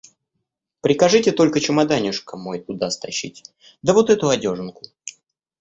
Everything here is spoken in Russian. Прикажите только чемоданишко мой туда стащить да вот эту одеженку.